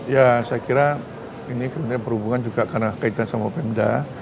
ya saya kira ini kementerian perhubungan juga karena kaitan sama pemda